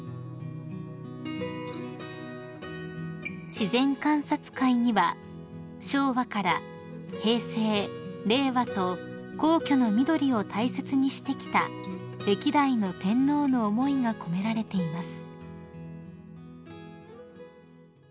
［自然観察会には昭和から平成令和と皇居の緑を大切にしてきた歴代の天皇の思いが込められています］